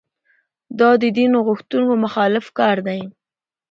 دا د دین غوښتنو مخالف کار دی.